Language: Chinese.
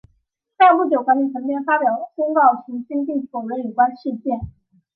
但不久管理层便发表公告澄清并否认有关事件。